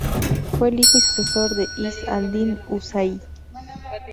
Fue el hijo y sucesor de Izz al-Din Husayn.